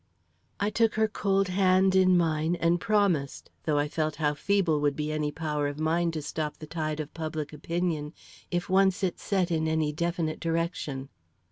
I took her cold hand in mine and promised, though I felt how feeble would be any power of mine to stop the tide of public opinion if once it set in any definite direction.